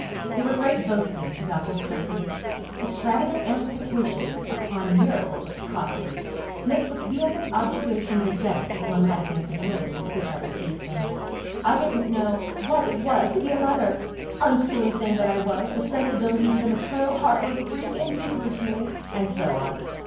There were great boastings about this personage, extravagant amplifications upon miracles of precocity, mixed with vehement objurgations against the phlegmatic incredulity with which I received them. I didn't know "what it was to be a mother;" "unfeeling thing that I was, the sensibilities of the maternal heart were Greek and Hebrew to me," and so on.